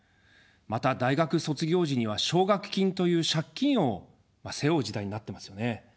また大学卒業時には奨学金という借金を背負う時代になってますよね。